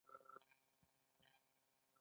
دې کار بزګري او مالداري سره جلا کړل.